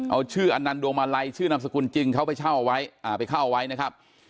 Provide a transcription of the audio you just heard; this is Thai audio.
เอาชื่ออันนันดวงมาลัยชื่อนามสกุลจริงเขาไปเช่าเอาไว้ไปเข้าไว้นะครับ